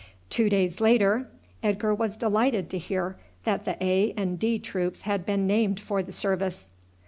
Two days later Edgar was delighted to hear that the A and D troops had been named for the service.